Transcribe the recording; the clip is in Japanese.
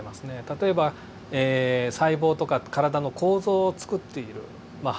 例えば細胞とか体の構造をつくっているまあ